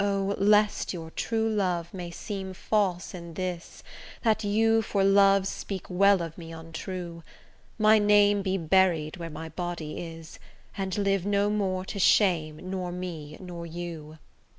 lest your true love may seem false in this That you for love speak well of me untrue, My name be buried where my body is, And live no more to shame nor me nor you.